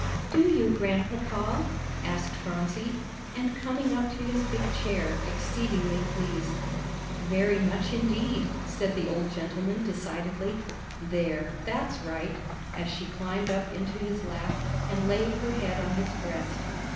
"Do you, Grandpapa?" asked Phronsie, and coming up to his big chair, exceedingly pleased. "Very much indeed," said the old gentleman, decidedly. "There, that's right," as she climbed up into his lap, and laid her head on his breast.